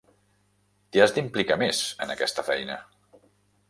T'hi has d'implicar més, en aquesta feina.